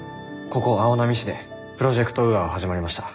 ここ青波市でプロジェクト・ウーアは始まりました。